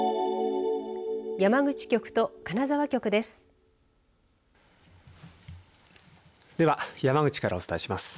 山口局と金沢局です。